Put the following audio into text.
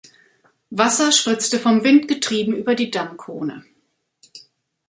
Wasser spritzte vom Wind getrieben über die Dammkrone.